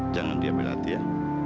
jangan diam diam ya